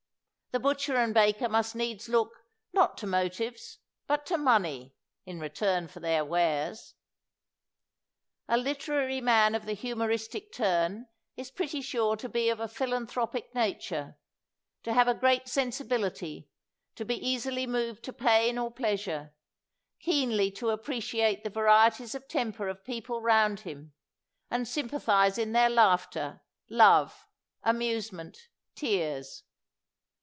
The butcher and baker must needs look, not to motives, but to money, in return for their wares. A literary man of the humoristic turn is pretty sure to be of a philanthropic nature, to have a great sensibilitj', to be easily moved to pain or pleasure, keenly to appreciate the varieties of temper of people round about him, and sjTnpa thize in their laughter, love, amusement, tears.